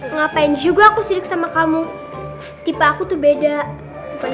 nanti dia akan menang